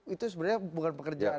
itu sebenarnya bukan pekerjaan